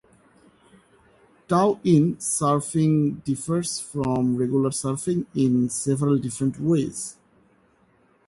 Tow-in surfing differs from regular surfing in several different ways.